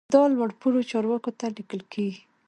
دا لوړ پوړو چارواکو ته لیکل کیږي.